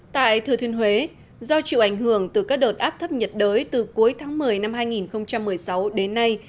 tại thừa thiên huế do chịu ảnh hưởng từ các đợt áp thấp nhiệt đới từ cuối tháng một mươi năm hai nghìn một mươi sáu đến nay